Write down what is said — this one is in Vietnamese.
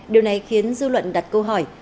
điều này khiến dư luận đặt câu hỏi